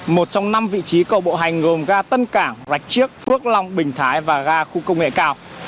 một trong năm vị trí cầu bộ hành gồm ga tân cảng rạch chiếc phước long bình thái và ga khu công nghệ cao